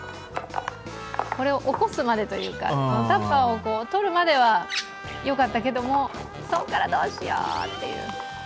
これを起こすまでというか、タッパーをとるまではよかったけども、そこから、どうしよう！っていう。